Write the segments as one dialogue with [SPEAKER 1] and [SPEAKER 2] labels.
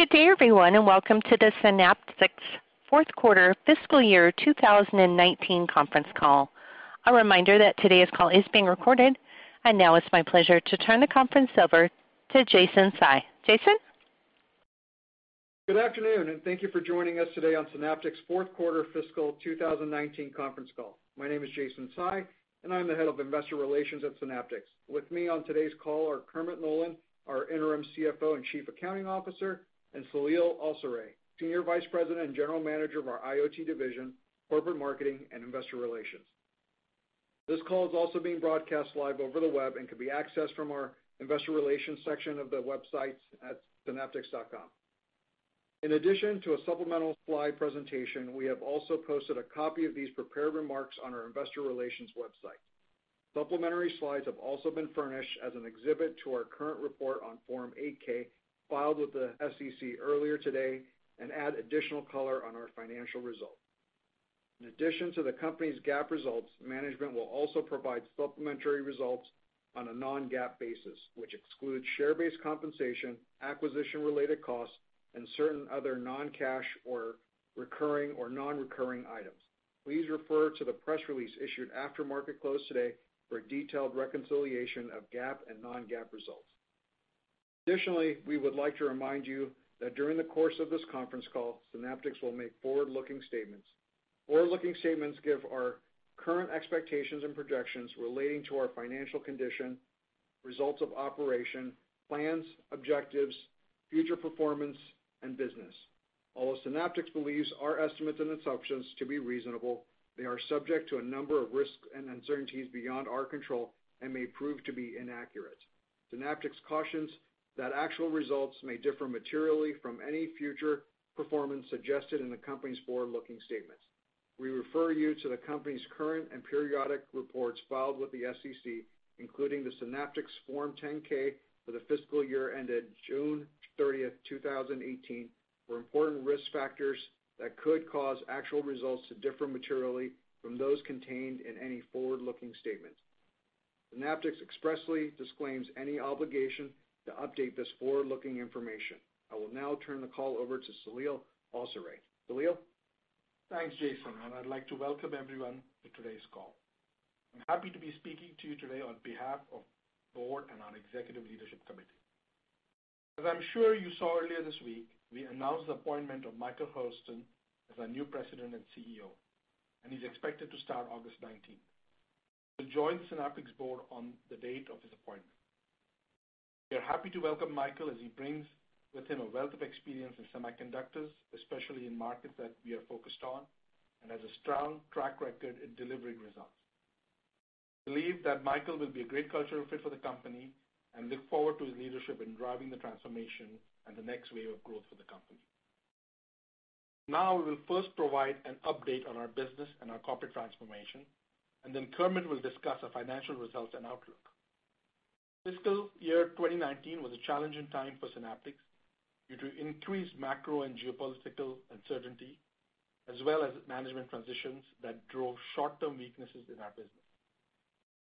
[SPEAKER 1] Good day everyone, welcome to the Synaptics fourth quarter fiscal year 2019 conference call. A reminder that today's call is being recorded. Now it's my pleasure to turn the conference over to Jason Tsai. Jason?
[SPEAKER 2] Good afternoon, thank you for joining us today on Synaptics' fourth quarter fiscal 2019 conference call. My name is Jason Tsai, and I'm the head of investor relations at Synaptics. With me on today's call are Kermit Nolan, our Interim Chief Financial Officer and Chief Accounting Officer, and Saleel Awsare, Senior Vice President and General Manager of our IoT division, corporate marketing, and investor relations. This call is also being broadcast live over the web and can be accessed from our investor relations section of the website at synaptics.com. In addition to a supplemental slide presentation, we have also posted a copy of these prepared remarks on our investor relations website. Supplementary slides have also been furnished as an exhibit to our current report on Form 8-K filed with the SEC earlier today and add additional color on our financial results. In addition to the company's GAAP results, management will also provide supplementary results on a non-GAAP basis, which excludes share-based compensation, acquisition related costs, and certain other non-cash or recurring or non-recurring items. Please refer to the press release issued after market close today for a detailed reconciliation of GAAP and non-GAAP results. Additionally, we would like to remind you that during the course of this conference call, Synaptics will make forward-looking statements. Forward-looking statements give our current expectations and projections relating to our financial condition, results of operation, plans, objectives, future performance, and business. Although Synaptics believes our estimates and assumptions to be reasonable, they are subject to a number of risks and uncertainties beyond our control and may prove to be inaccurate. Synaptics cautions that actual results may differ materially from any future performance suggested in the company's forward-looking statements. We refer you to the company's current and periodic reports filed with the SEC, including the Synaptics Form 10-K for the fiscal year ended June 30th, 2018, for important risk factors that could cause actual results to differ materially from those contained in any forward-looking statement. Synaptics expressly disclaims any obligation to update this forward-looking information. I will now turn the call over to Saleel Awsare. Saleel?
[SPEAKER 3] Thanks, Jason. I'd like to welcome everyone to today's call. I'm happy to be speaking to you today on behalf of the board and our executive leadership committee. As I'm sure you saw earlier this week, we announced the appointment of Michael Hurlston as our new President and CEO. He's expected to start August 19th. He'll join Synaptics' board on the date of his appointment. We are happy to welcome Michael as he brings with him a wealth of experience in semiconductors, especially in markets that we are focused on. He has a strong track record in delivering results. We believe that Michael will be a great cultural fit for the company. We look forward to his leadership in driving the transformation and the next wave of growth for the company. We will first provide an update on our business and our corporate transformation, then Kermit will discuss our financial results and outlook. Fiscal year 2019 was a challenging time for Synaptics due to increased macro and geopolitical uncertainty, as well as management transitions that drove short-term weaknesses in our business.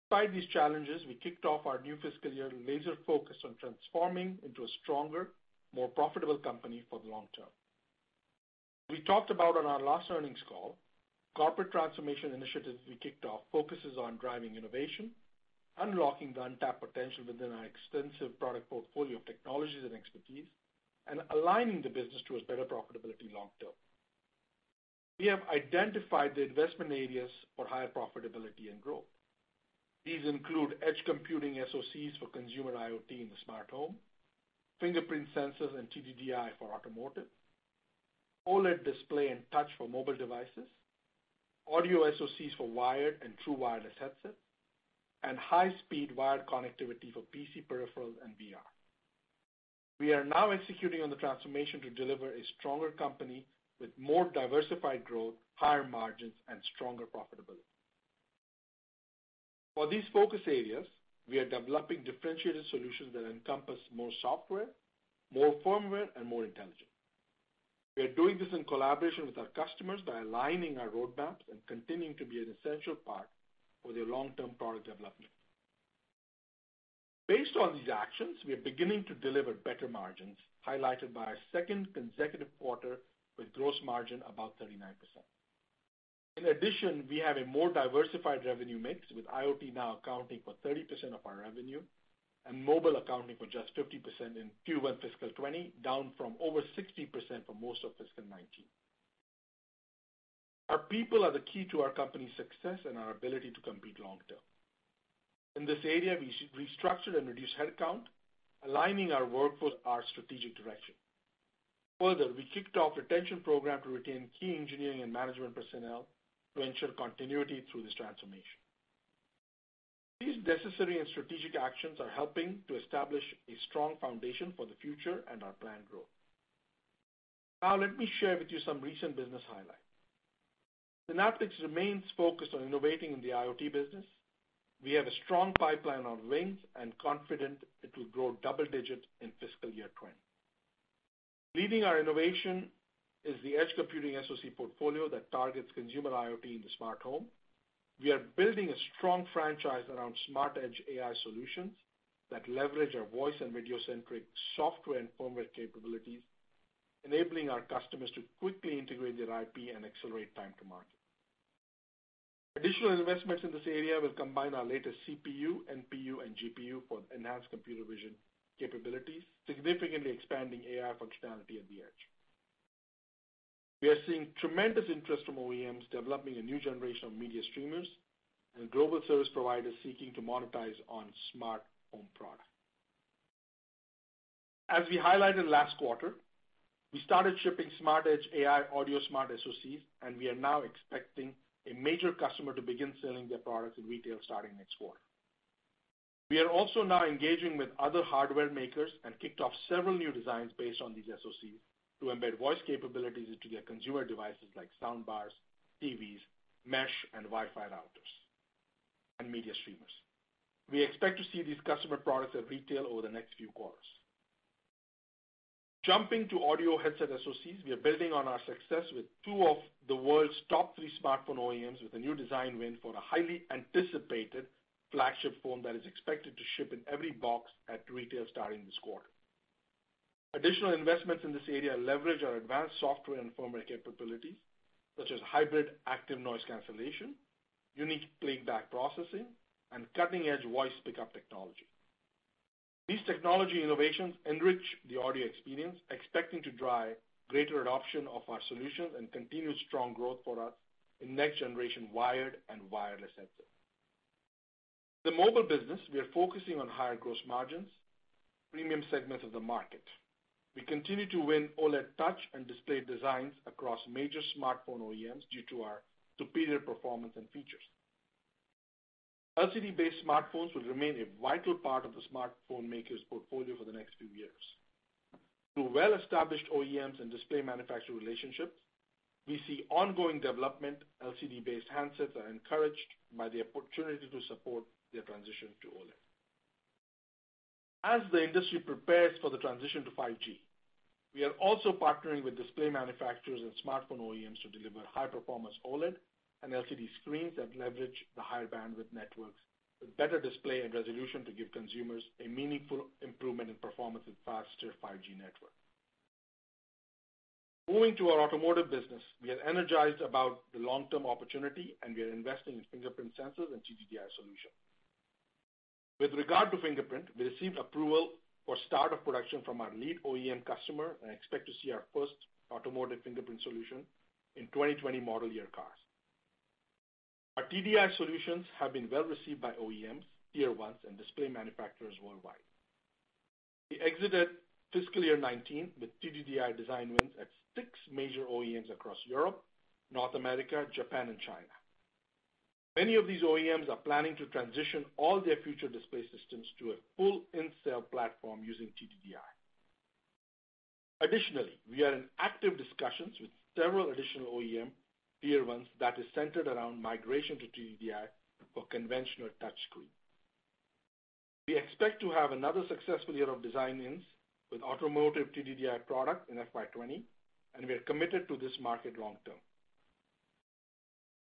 [SPEAKER 3] Despite these challenges, we kicked off our new fiscal year laser-focused on transforming into a stronger, more profitable company for the long term. As we talked about on our last earnings call, corporate transformation initiatives we kicked off focuses on driving innovation, unlocking the untapped potential within our extensive product portfolio of technologies and expertise, and aligning the business towards better profitability long term. We have identified the investment areas for higher profitability and growth. These include edge computing SoCs for consumer IoT in the smart home, fingerprint sensors and TDDI for automotive, OLED display and touch for mobile devices, AudioSmart SoCs for wired and true wireless headsets, and high-speed wired connectivity for PC peripherals and VR. We are now executing on the transformation to deliver a stronger company with more diversified growth, higher margins, and stronger profitability. For these focus areas, we are developing differentiated solutions that encompass more software, more firmware, and more intelligence. We are doing this in collaboration with our customers by aligning our roadmaps and continuing to be an essential part for their long-term product development. Based on these actions, we are beginning to deliver better margins, highlighted by our second consecutive quarter with gross margin above 39%. We have a more diversified revenue mix, with IoT now accounting for 30% of our revenue, and mobile accounting for just 50% in Q1 fiscal 2020, down from over 60% for most of fiscal 2019. Our people are the key to our company's success and our ability to compete long term. In this area, we restructured and reduced headcount, aligning our workforce with our strategic direction. We kicked off a retention program to retain key engineering and management personnel to ensure continuity through this transformation. These necessary and strategic actions are helping to establish a strong foundation for the future and our planned growth. Let me share with you some recent business highlights. Synaptics remains focused on innovating in the IoT business. We have a strong pipeline of wins and confident it will grow double digits in fiscal year 2020. Leading our innovation is the edge computing SoC portfolio that targets consumer IoT in the smart home. We are building a strong franchise around smart edge AI solutions that leverage our voice and video-centric software and firmware capabilities, enabling our customers to quickly integrate their IP and accelerate time to market. Additional investments in this area will combine our latest CPU, NPU, and GPU for enhanced computer vision capabilities, significantly expanding AI functionality at the edge. We are seeing tremendous interest from OEMs developing a new generation of media streamers and global service providers seeking to monetize on smart home product. As we highlighted last quarter, we started shipping smart edge AI AudioSmart SoCs, and we are now expecting a major customer to begin selling their products in retail starting next quarter. We are also now engaging with other hardware makers and kicked off several new designs based on these SoCs to embed voice capabilities into their consumer devices like soundbars, TVs, mesh, and Wi-Fi routers, and media streamers. We expect to see these customer products at retail over the next few quarters. Jumping to audio headset SoCs, we are building on our success with two of the world's top three smartphone OEMs with a new design win for a highly anticipated flagship phone that is expected to ship in every box at retail starting this quarter. Additional investments in this area leverage our advanced software and firmware capabilities, such as hybrid active noise cancellation, unique playback processing, and cutting-edge voice pickup technology. These technology innovations enrich the audio experience, expecting to drive greater adoption of our solutions and continued strong growth for us in next-generation wired and wireless handsets. The mobile business, we are focusing on higher gross margins, premium segments of the market. We continue to win OLED touch and display designs across major smartphone OEMs due to our superior performance and features. LCD-based smartphones will remain a vital part of the smartphone makers' portfolio for the next few years. Through well-established OEMs and display manufacturer relationships, we see ongoing development. LCD-based handsets are encouraged by the opportunity to support their transition to OLED. As the industry prepares for the transition to 5G, we are also partnering with display manufacturers and smartphone OEMs to deliver high-performance OLED and LCD screens that leverage the higher bandwidth networks with better display and resolution to give consumers a meaningful improvement in performance with faster 5G network. Moving to our automotive business, we are energized about the long-term opportunity, and we are investing in fingerprint sensors and TDDI solutions. With regard to fingerprint, we received approval for start of production from our lead OEM customer and expect to see our first automotive fingerprint solution in 2020 model year cars. Our TDDI solutions have been well received by OEMs, Tier 1s, and display manufacturers worldwide. We exited fiscal year 2019 with TDDI design wins at six major OEMs across Europe, North America, Japan, and China. Many of these OEMs are planning to transition all their future display systems to a full in-cell platform using TDDI. Additionally, we are in active discussions with several additional OEM Tier 1s that is centered around migration to TDDI for conventional touchscreen. We expect to have another successful year of design wins with automotive TDDI product in FY 2020, and we are committed to this market long term.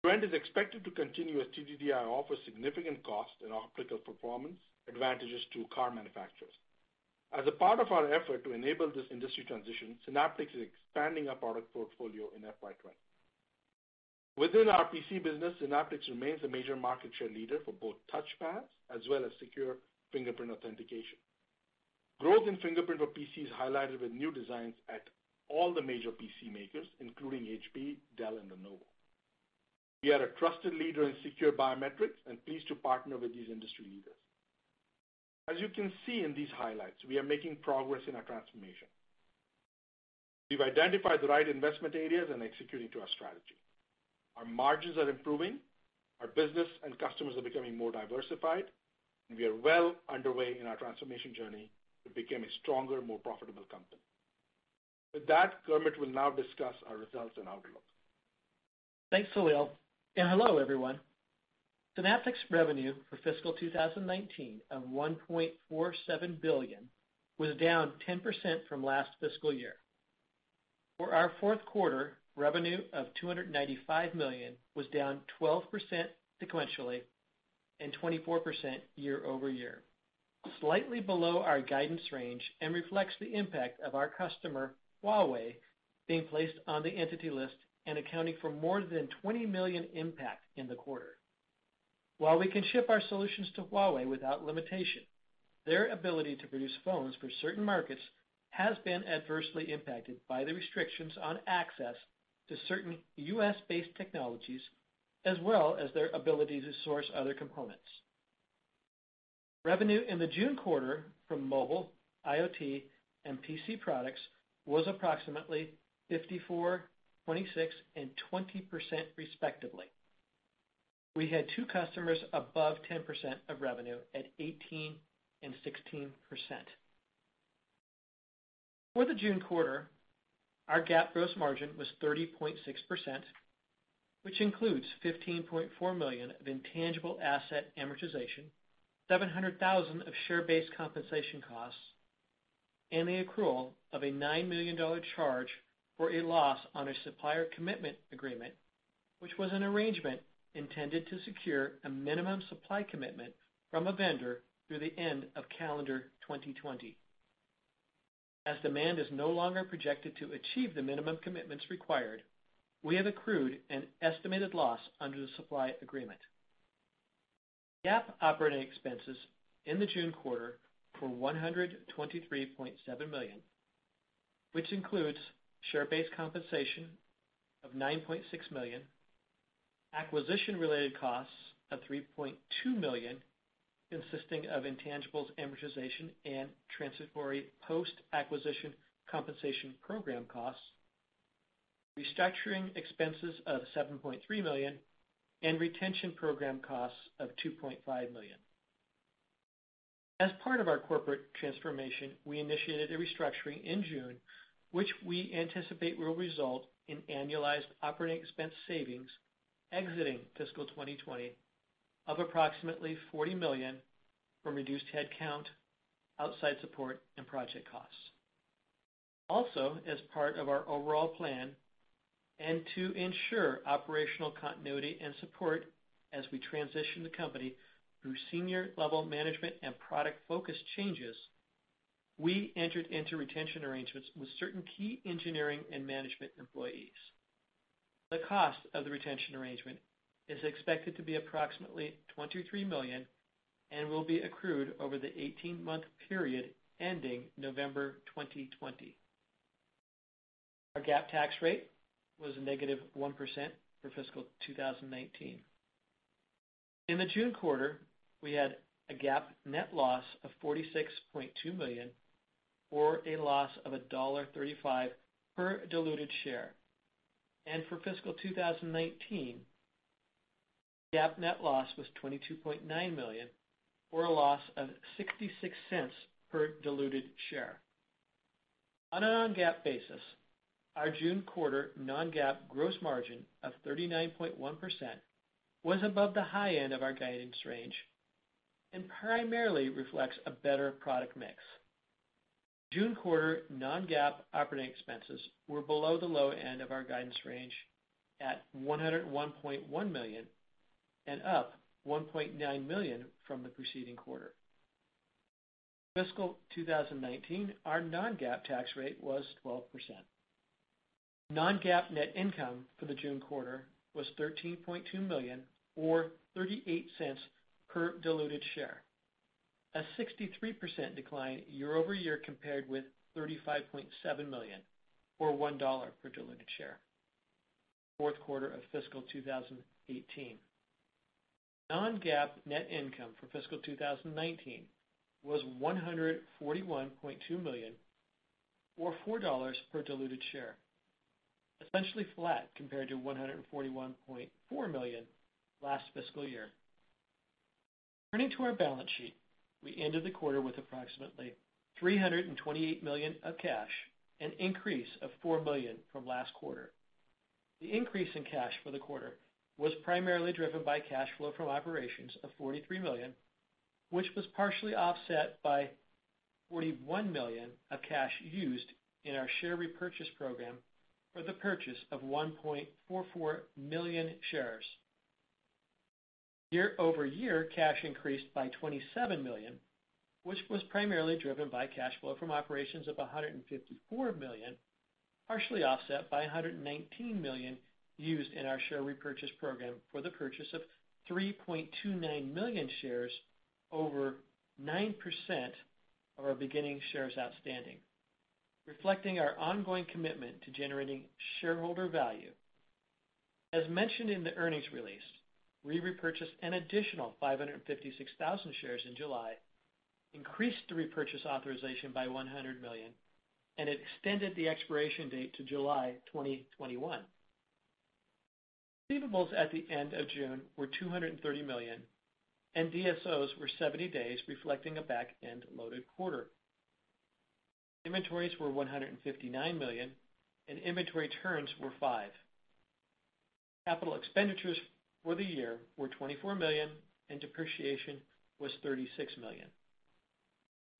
[SPEAKER 3] Trend is expected to continue as TDDI offers significant cost and optical performance advantages to car manufacturers. As a part of our effort to enable this industry transition, Synaptics is expanding our product portfolio in FY 2020. Within our PC business, Synaptics remains a major market share leader for both touchpads as well as secure fingerprint authentication. Growth in fingerprint for PCs highlighted with new designs at all the major PC makers, including HP, Dell, and Lenovo. We are a trusted leader in secure biometrics and pleased to partner with these industry leaders. As you can see in these highlights, we are making progress in our transformation. We've identified the right investment areas and executing to our strategy. Our margins are improving, our business and customers are becoming more diversified, and we are well underway in our transformation journey to become a stronger, more profitable company. With that, Kermit will now discuss our results and outlook.
[SPEAKER 4] Thanks, Saleel, and hello, everyone. Synaptics revenue for fiscal 2019 of $1.47 billion was down 10% from last fiscal year. For our fourth quarter, revenue of $295 million was down 12% sequentially and 24% year-over-year. Slightly below our guidance range and reflects the impact of our customer, Huawei, being placed on the Entity List and accounting for more than $20 million impact in the quarter. While we can ship our solutions to Huawei without limitation, their ability to produce phones for certain markets has been adversely impacted by the restrictions on access to certain U.S.-based technologies, as well as their ability to source other components. Revenue in the June quarter from mobile, IoT, and PC products was approximately 54%, 26%, and 20% respectively. We had two customers above 10% of revenue at 18% and 16%. For the June quarter, our GAAP gross margin was 30.6%, which includes $15.4 million of intangible asset amortization, $700,000 of share-based compensation costs, and the accrual of a $9 million charge for a loss on a supplier commitment agreement, which was an arrangement intended to secure a minimum supply commitment from a vendor through the end of calendar 2020. As demand is no longer projected to achieve the minimum commitments required, we have accrued an estimated loss under the supply agreement. GAAP operating expenses in the June quarter were $123.7 million, which includes share-based compensation of $9.6 million, acquisition related costs of $3.2 million, consisting of intangibles amortization, and transitory post-acquisition compensation program costs, restructuring expenses of $7.3 million, and retention program costs of $2.5 million. As part of our corporate transformation, we initiated a restructuring in June, which we anticipate will result in annualized operating expense savings exiting fiscal 2020 of approximately $40 million from reduced head count, outside support, and project costs. Also, as part of our overall plan and to ensure operational continuity and support as we transition the company through senior level management and product focus changes, we entered into retention arrangements with certain key engineering and management employees. The cost of the retention arrangement is expected to be approximately $23 million and will be accrued over the 18-month period ending November 2020. Our GAAP tax rate was a negative 1% for fiscal 2019. In the June quarter, we had a GAAP net loss of $46.2 million, or a loss of $1.35 per diluted share. For fiscal 2019, GAAP net loss was $22.9 million, or a loss of $0.66 per diluted share. On a non-GAAP basis, our June quarter non-GAAP gross margin of 39.1% was above the high end of our guidance range and primarily reflects a better product mix. June quarter non-GAAP operating expenses were below the low end of our guidance range at $101.1 million and up $1.9 million from the preceding quarter. Fiscal 2019, our non-GAAP tax rate was 12%. Non-GAAP net income for the June quarter was $13.2 million, or $0.38 per diluted share, a 63% decline year-over-year compared with $35.7 million, or $1 per diluted share, fourth quarter of fiscal 2018. Non-GAAP net income for fiscal 2019 was $141.2 million, or $4 per diluted share, essentially flat compared to $141.4 million last fiscal year. Turning to our balance sheet, we ended the quarter with approximately $328 million of cash, an increase of $4 million from last quarter. The increase in cash for the quarter was primarily driven by cash flow from operations of $43 million, which was partially offset by $41 million of cash used in our share repurchase program for the purchase of 1.44 million shares. Year-over-year, cash increased by $27 million, which was primarily driven by cash flow from operations of $154 million, partially offset by $119 million used in our share repurchase program for the purchase of 3.29 million shares over 9% of our beginning shares outstanding, reflecting our ongoing commitment to generating shareholder value. As mentioned in the earnings release, we repurchased an additional 556,000 shares in July, increased the repurchase authorization by $100 million, and extended the expiration date to July 2021. Receivables at the end of June were $230 million, and DSO were 70 days, reflecting a back-end loaded quarter. Inventories were $159 million, and inventory turns were five. Capital expenditures for the year were $24 million, and depreciation was $36 million.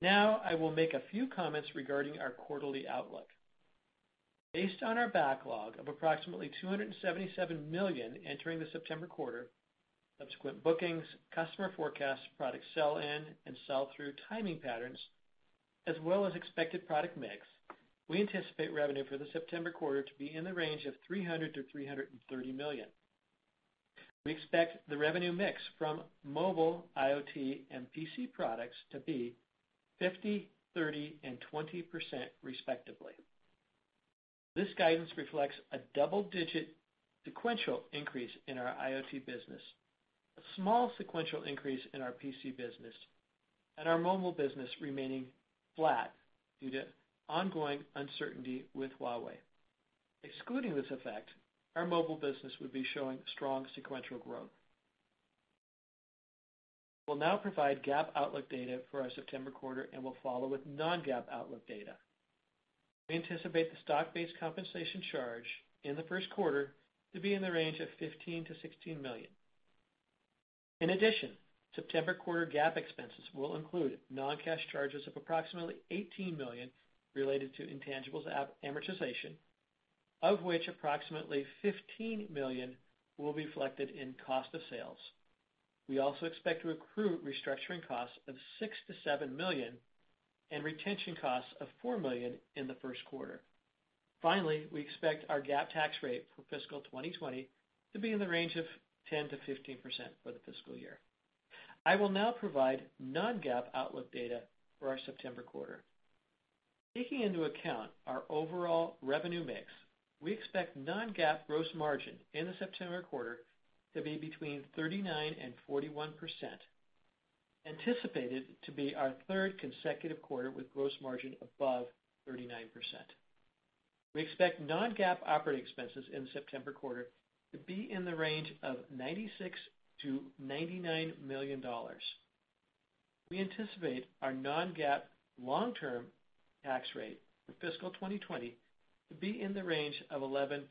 [SPEAKER 4] I will make a few comments regarding our quarterly outlook. Based on our backlog of approximately $277 million entering the September quarter, subsequent bookings, customer forecasts, product sell-in and sell-through timing patterns, as well as expected product mix, we anticipate revenue for the September quarter to be in the range of $300 million-$330 million. We expect the revenue mix from mobile, IoT, and PC products to be 50%, 30%, and 20%, respectively. This guidance reflects a double-digit sequential increase in our IoT business, a small sequential increase in our PC business, and our mobile business remaining flat due to ongoing uncertainty with Huawei. Excluding this effect, our mobile business would be showing strong sequential growth. We'll now provide GAAP outlook data for our September quarter, and we'll follow with non-GAAP outlook data. We anticipate the stock-based compensation charge in the first quarter to be in the range of $15 million-$16 million. In addition, September quarter GAAP expenses will include non-cash charges of approximately $18 million related to intangibles amortization, of which approximately $15 million will be reflected in cost of sales. We also expect to accrue restructuring costs of $6 million-$7 million and retention costs of $4 million in the first quarter. Finally, we expect our GAAP tax rate for fiscal 2020 to be in the range of 10%-15% for the fiscal year. I will now provide non-GAAP outlook data for our September quarter. Taking into account our overall revenue mix, we expect non-GAAP gross margin in the September quarter to be between 39%-41%, anticipated to be our third consecutive quarter with gross margin above 39%. We expect non-GAAP operating expenses in the September quarter to be in the range of $96 million-$99 million. We anticipate our non-GAAP long-term tax rate for fiscal 2020 to be in the range of 11%-13%.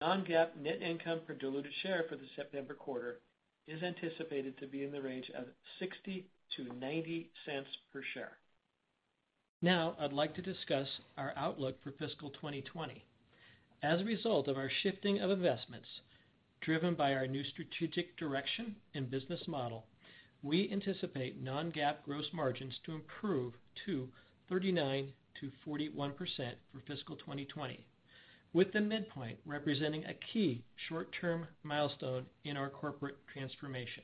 [SPEAKER 4] Non-GAAP net income per diluted share for the September quarter is anticipated to be in the range of $0.60-$0.90 per share. Now I'd like to discuss our outlook for fiscal 2020. As a result of our shifting of investments, driven by our new strategic direction and business model, we anticipate non-GAAP gross margins to improve to 39%-41% for fiscal 2020, with the midpoint representing a key short-term milestone in our corporate transformation.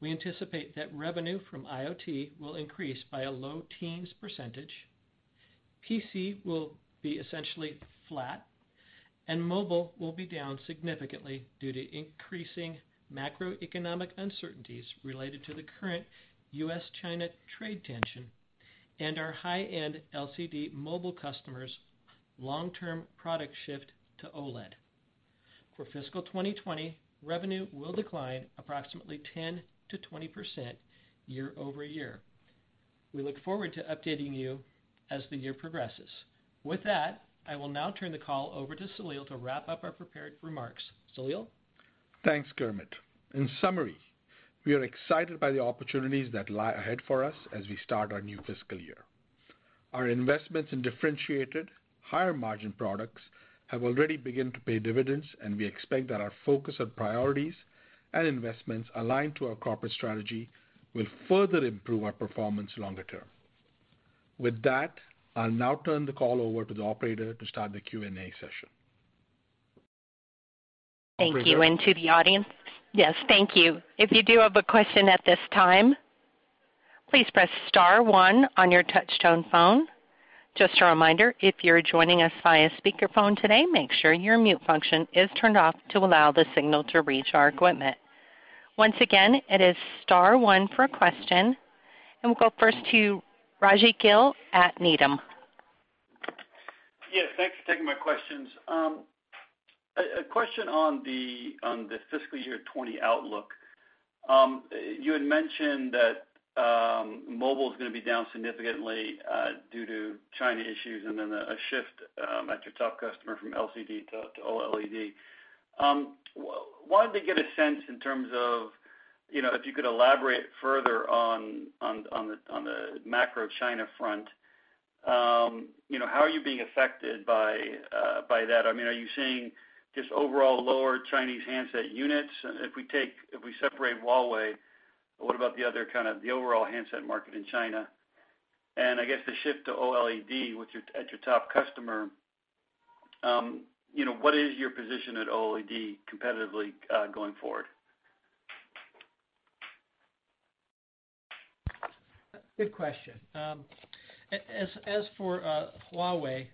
[SPEAKER 4] We anticipate that revenue from IoT will increase by a low teens percentage, PC will be essentially flat, and mobile will be down significantly due to increasing macroeconomic uncertainties related to the current U.S.-China trade tension and our high-end LCD mobile customers' long-term product shift to OLED. For fiscal 2020, revenue will decline approximately 10%-20% year-over-year. We look forward to updating you as the year progresses. With that, I will now turn the call over to Saleel to wrap up our prepared remarks. Saleel?
[SPEAKER 3] Thanks, Kermit. In summary, we are excited by the opportunities that lie ahead for us as we start our new fiscal year. Our investments in differentiated, higher margin products have already begun to pay dividends, and we expect that our focus on priorities and investments aligned to our corporate strategy will further improve our performance longer term. With that, I'll now turn the call over to the operator to start the Q&A session.
[SPEAKER 1] Thank you. To the audience, yes, thank you. If you do have a question at this time, please press *1 on your touch tone phone. Just a reminder, if you're joining us via speakerphone today, make sure your mute function is turned off to allow the signal to reach our equipment. Once again, it is *1 for a question. We'll go first to Raji Gill at Needham.
[SPEAKER 5] Yes, thanks for taking my questions. A question on the fiscal year 2020 outlook. You had mentioned that mobile is going to be down significantly due to China issues and then a shift at your top customer from LCD to OLED. Wanted to get a sense in terms of, if you could elaborate further on the macro China front, how are you being affected by that? Are you seeing just overall lower Chinese handset units? If we separate Huawei, what about the other kind of the overall handset market in China? I guess the shift to OLED at your top customer, what is your position at OLED competitively going forward?
[SPEAKER 4] Good question. As for Huawei,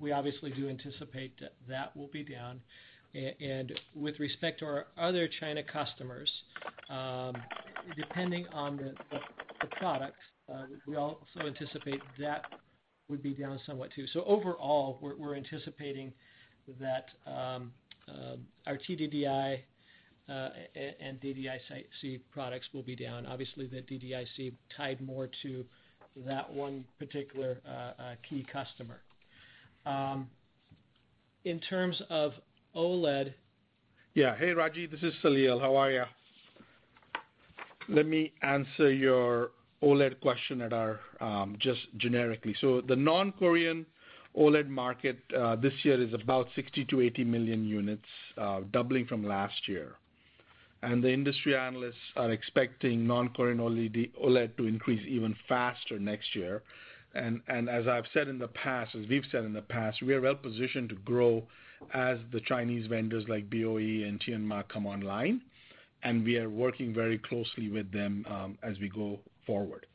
[SPEAKER 4] we obviously do anticipate that will be down. With respect to our other China customers, depending on the products, we also anticipate that would be down somewhat too. Overall, we're anticipating that our TDDI and DDIC products will be down. Obviously, the DDIC tied more to that one particular key customer. In terms of OLED.
[SPEAKER 3] Yeah. Hey, Rajit. This is Saleel. How are you? Let me answer your OLED question at our, just generically. The non-Korean OLED market this year is about 60 million-80 million units, doubling from last year. The industry analysts are expecting non-Korean OLED to increase even faster next year. As I've said in the past, as we've said in the past, we are well-positioned to grow as the Chinese vendors like BOE and Tianma come online, and we are working very closely with them as we go forward.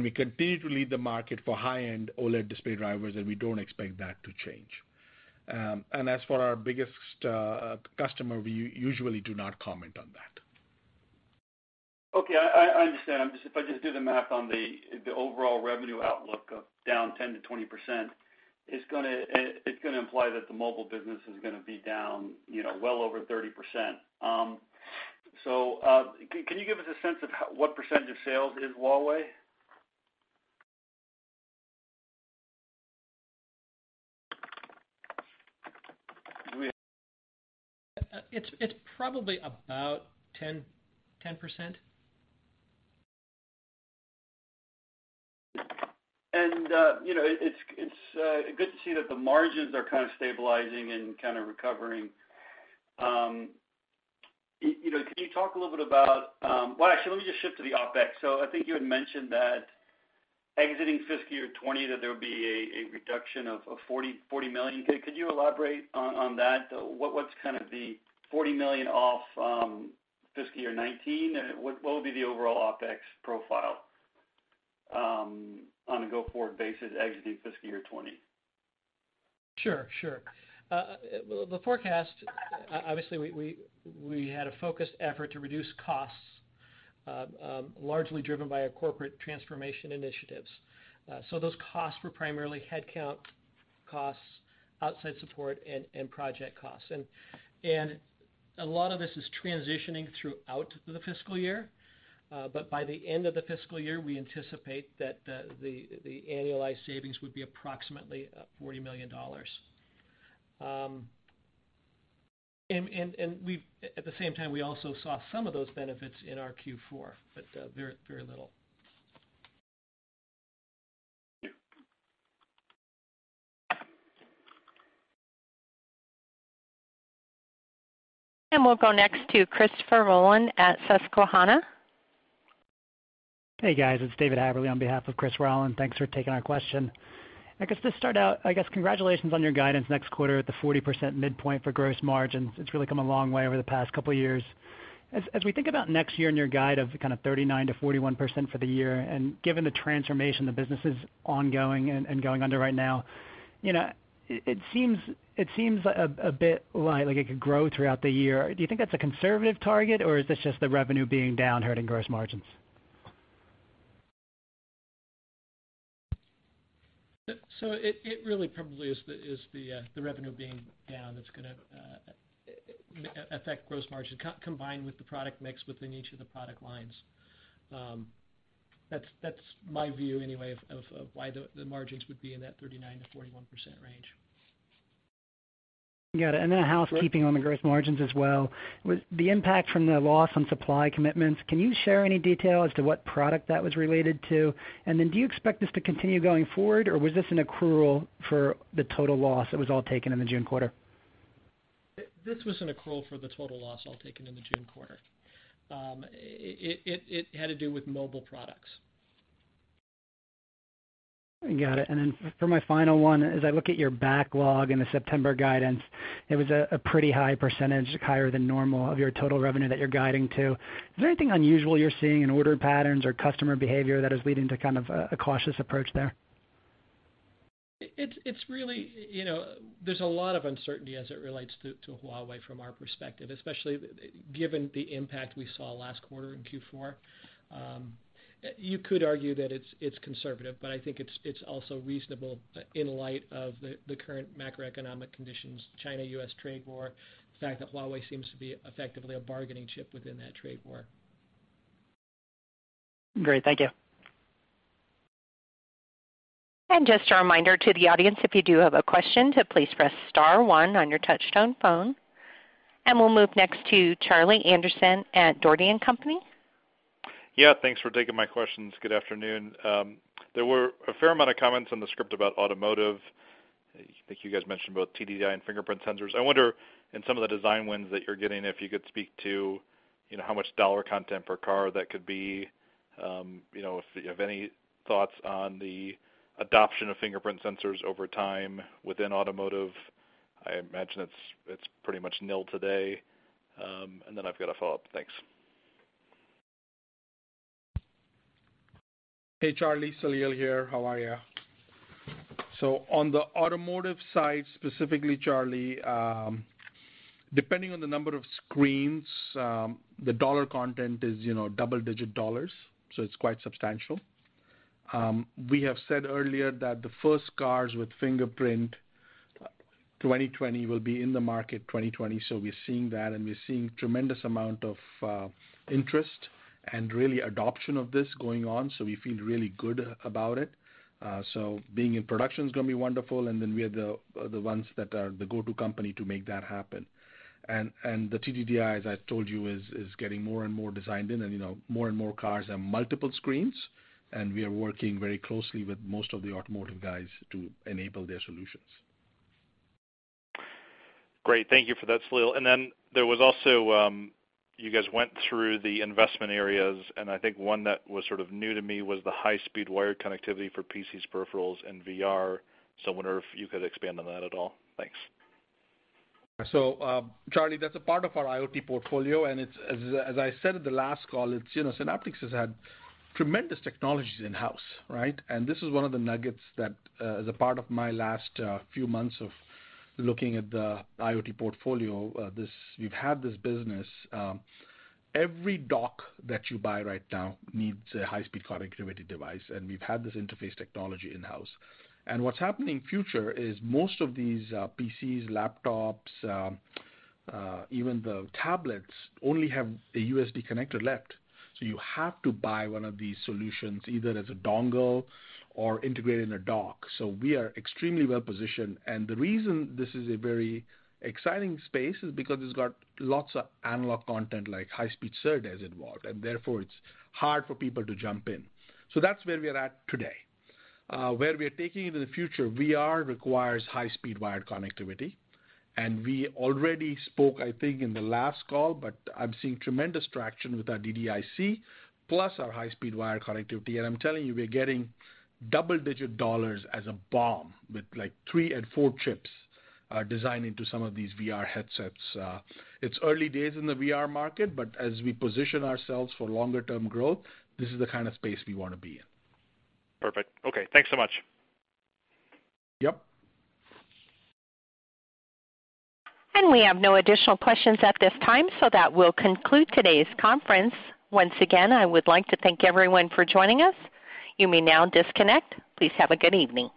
[SPEAKER 3] We continue to lead the market for high-end OLED display drivers, and we don't expect that to change. As for our biggest customer, we usually do not comment on that.
[SPEAKER 5] Okay. I understand. If I just do the math on the overall revenue outlook of down 10%-20%, it's going to imply that the mobile business is going to be down well over 30%. Can you give us a sense of what % of sales is Huawei?
[SPEAKER 4] It's probably about 10%.
[SPEAKER 5] It's good to see that the margins are kind of stabilizing and kind of recovering. Can you talk a little bit? Well, actually, let me just shift to the OpEx. I think you had mentioned that exiting fiscal year 2020, that there would be a reduction of $40 million. Could you elaborate on that, though? What's kind of the $40 million off fiscal year 2019, and what would be the overall OpEx profile on a go-forward basis exiting fiscal year 2020?
[SPEAKER 4] Sure. The forecast, obviously, we had a focused effort to reduce costs, largely driven by our corporate transformation initiatives. Those costs were primarily headcount costs, outside support, and project costs. A lot of this is transitioning throughout the fiscal year. By the end of the fiscal year, we anticipate that the annualized savings would be approximately $40 million. At the same time, we also saw some of those benefits in our Q4, but very little.
[SPEAKER 1] We'll go next to Christopher Rolland at Susquehanna.
[SPEAKER 6] Hey, guys. It's David Aberle on behalf of Chris Rolland. Thanks for taking our question. I guess to start out, I guess congratulations on your guidance next quarter at the 40% midpoint for gross margins. It's really come a long way over the past couple of years. As we think about next year and your guide of kind of 39%-41% for the year, given the transformation the business is ongoing and going under right now, it seems a bit light, like it could grow throughout the year. Do you think that's a conservative target, or is this just the revenue being down hurting gross margins?
[SPEAKER 4] It really probably is the revenue being down that's going to affect gross margin, combined with the product mix within each of the product lines. That's my view anyway of why the margins would be in that 39%-41% range.
[SPEAKER 6] Got it. Then housekeeping on the gross margins as well. With the impact from the loss on supply commitments, can you share any detail as to what product that was related to? Then do you expect this to continue going forward, or was this an accrual for the total loss that was all taken in the June quarter?
[SPEAKER 4] This was an accrual for the total loss all taken in the June quarter. It had to do with mobile products.
[SPEAKER 6] Got it. For my final one, as I look at your backlog in the September guidance, it was a pretty high percentage, higher than normal of your total revenue that you're guiding to. Is there anything unusual you're seeing in order patterns or customer behavior that is leading to kind of a cautious approach there?
[SPEAKER 4] There's a lot of uncertainty as it relates to Huawei from our perspective, especially given the impact we saw last quarter in Q4. You could argue that it's conservative, but I think it's also reasonable in light of the current macroeconomic conditions, China-U.S. trade war, the fact that Huawei seems to be effectively a bargaining chip within that trade war.
[SPEAKER 6] Great. Thank you.
[SPEAKER 1] Just a reminder to the audience, if you do have a question, to please press *1 on your touchtone phone. We'll move next to Charlie Anderson at Dougherty & Company.
[SPEAKER 7] Yeah. Thanks for taking my questions. Good afternoon. There were a fair amount of comments on the script about automotive. I think you guys mentioned both TDDI and fingerprint sensors. I wonder in some of the design wins that you're getting, if you could speak to how much dollar content per car that could be. If you have any thoughts on the adoption of fingerprint sensors over time within automotive. I imagine it's pretty much nil today. I've got a follow-up. Thanks.
[SPEAKER 3] Hey, Charlie, Saleel here. How are you? On the automotive side, specifically, Charlie, depending on the number of screens, the dollar content is double-digit dollars, so it's quite substantial. We have said earlier that the first cars with fingerprint 2020 will be in the market 2020, so we're seeing that, and we're seeing tremendous amount of interest and really adoption of this going on, so we feel really good about it. Being in production is going to be wonderful. We are the ones that are the go-to company to make that happen. The TDDI, as I told you, is getting more and more designed in and more and more cars have multiple screens, and we are working very closely with most of the automotive guys to enable their solutions.
[SPEAKER 7] Great. Thank you for that, Saleel. There was also, you guys went through the investment areas, and I think one that was sort of new to me was the high-speed wired connectivity for PCs, peripherals, and VR. I wonder if you could expand on that at all. Thanks.
[SPEAKER 3] Charlie, that's a part of our IoT portfolio, and as I said at the last call, Synaptics has had tremendous technologies in-house, right? This is one of the nuggets that as a part of my last few months of looking at the IoT portfolio, we've had this business. Every dock that you buy right now needs a high-speed connectivity device, and we've had this interface technology in-house. What's happening future is most of these PCs, laptops, even the tablets only have a USB connector left. You have to buy one of these solutions, either as a dongle or integrate in a dock. We are extremely well-positioned. The reason this is a very exciting space is because it's got lots of analog content, like high-speed SERDES involved, and therefore, it's hard for people to jump in. That's where we are at today. Where we are taking it in the future, VR requires high-speed wired connectivity. We already spoke, I think, in the last call, but I'm seeing tremendous traction with our DDIC plus our high-speed wired connectivity. I'm telling you, we're getting double-digit dollars as a BOM with like three and four chips designed into some of these VR headsets. It's early days in the VR market, but as we position ourselves for longer-term growth, this is the kind of space we want to be in.
[SPEAKER 7] Perfect. Okay. Thanks so much.
[SPEAKER 3] Yep.
[SPEAKER 1] We have no additional questions at this time, so that will conclude today's conference. Once again, I would like to thank everyone for joining us. You may now disconnect. Please have a good evening.